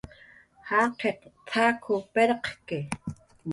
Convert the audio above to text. "Jaqiq t""ak pirqki"